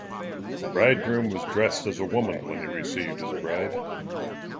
The bridegroom was dressed as a woman when he received his bride.